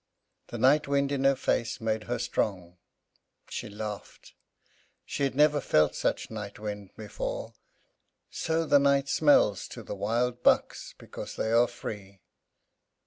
The night wind in her face made her strong she laughed. She had never felt such night wind before. So the night smells to the wild bucks, because they are free!